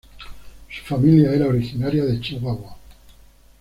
Su familia era originaria de Chihuahua.